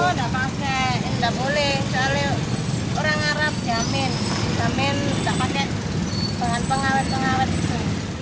tidak pakai tidak boleh soalnya orang arab jamin jamin tidak pakai bahan pengawet pengawet gitu